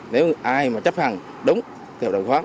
nếu ai mà chấp hành đúng theo đồng pháp